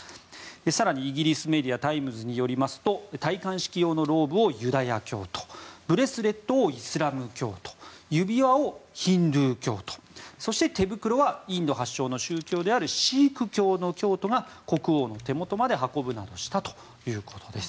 更にイギリスメディアタイムズによりますと戴冠式用のローブをユダヤ教徒ブレスレットをイスラム教徒指輪を、ヒンドゥー教徒そして、手袋はインド発祥の宗教であるシーク教の教徒が国王の手元まで運ぶなどしたということです。